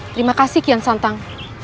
terima kasih hukian santang